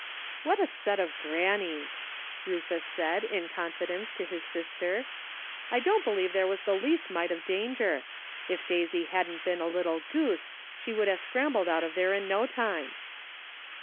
"What a set of grannies!" Rufus said in confidence to his sister. " I don't believe there was the least mite of danger. If Daisy hadn't been a little goose she would have scrambled out of there in no time."